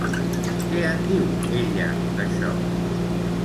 Què en diu ella, d'això?